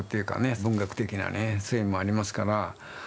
文学的なねそれもありますから。